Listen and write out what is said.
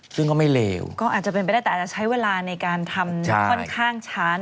ซึ่งก็ไม่เลวก็อาจจะเป็นไปได้แต่อาจจะใช้เวลาในการทำค่อนข้างช้า